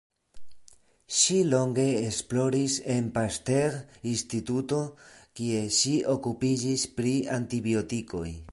Ŝi longe esploris en Pasteur Instituto, kie ŝi okupiĝis pri antibiotikoj.